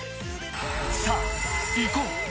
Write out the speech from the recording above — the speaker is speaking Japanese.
さあ、行こう！